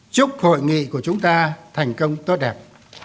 chúc hội nghị của chúng ta thành công tốt đẹp